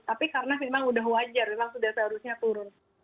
tapi karena memang sudah wajar memang sudah seharusnya turun